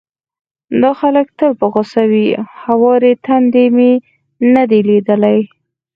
دا خلک تل په غوسه وي، هوارې ټنډې مې نه دي ليدلې،